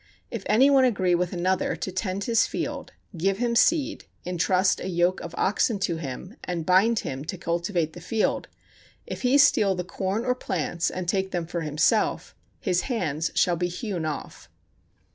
If any one agree with another to tend his field, give him seed, intrust a yoke of oxen to him, and bind him to cultivate the field, if he steal the corn or plants, and take them for himself, his hands shall be hewn off.